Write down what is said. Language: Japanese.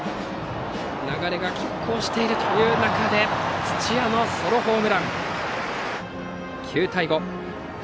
流れがきっ抗しているという中で土屋のソロホームランで９対５。